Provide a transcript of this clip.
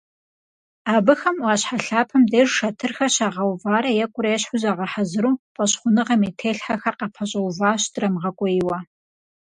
Абыхэм Ӏуащхьэ лъапэм деж шэтырхэр щагъэуварэ екӀурэ-ещхьу загъэхьэзыру, фӀэщхъуныгъэм и телъхьэхэр къапэщӀэуващ, драмыгъэкӀуейуэ.